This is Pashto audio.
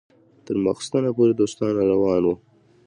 تر ماخستنه پورې دوستان راروان وو.